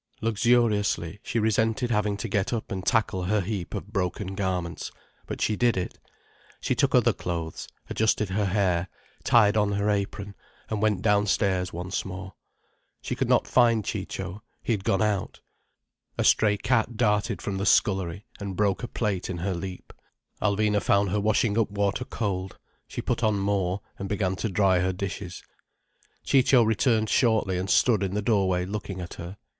Luxuriously, she resented having to get up and tackle her heap of broken garments. But she did it. She took other clothes, adjusted her hair, tied on her apron, and went downstairs once more. She could not find Ciccio: he had gone out. A stray cat darted from the scullery, and broke a plate in her leap. Alvina found her washing up water cold. She put on more, and began to dry her dishes. Ciccio returned shortly, and stood in the doorway looking at her.